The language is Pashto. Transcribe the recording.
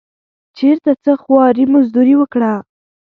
چېرته څه خواري مزدوري وکړه.